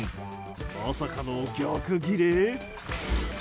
まさかの逆ギレ？